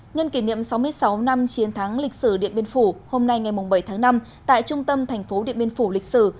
nhân kỷ niệm sáu mươi sáu năm chiến thắng lịch sử điện biên phủ hôm nay ngày bảy tháng năm tại trung tâm thành phố điện biên phủ lịch sử